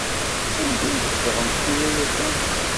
Anda i tzedɣemt tura akka?